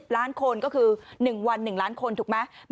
ล้านคนก็คือ๑วัน๑ล้านคนถูกไหม